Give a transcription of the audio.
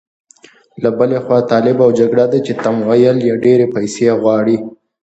له بلې خوا طالب او جګړه ده چې تمویل یې ډېرې پيسې غواړي.